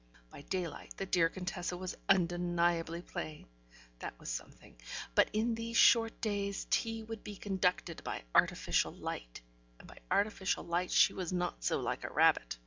By daylight the dear Contessa was undeniably plain: that was something, but in these short days, tea would be conducted by artificial light, and by artificial light she was not so like a rabbit.